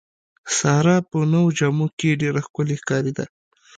ساره په نوو جامو کې ډېره ښکلې ښکارېده.